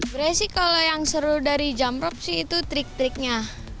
beres sih kalau yang seru dari jump rope sih itu trik triknya